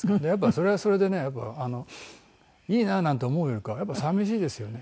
それはそれでねやっぱいいななんて思うよりかはやっぱ寂しいですよね